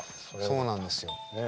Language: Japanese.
そうなんですよ。